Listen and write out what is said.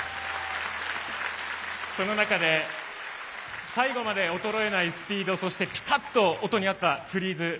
その中で最後まで衰えないスピードそしてピタッと音に合ったフリーズ。